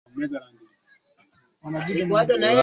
Ufaransa ulianza kwa siri kutuma silaha kwa Wamarekani